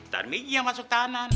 taramizi yang masuk kanan